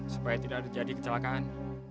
supaya tidak ada jadi kecelakaan